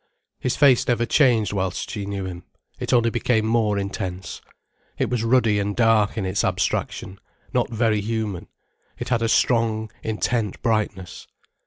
His face never changed whilst she knew him, it only became more intense. It was ruddy and dark in its abstraction, not very human, it had a strong, intent brightness.